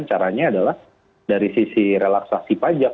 caranya adalah dari sisi relaksasi pajak